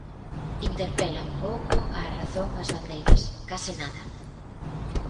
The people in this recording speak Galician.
Interpelan pouco á razón as bandeiras, case nada.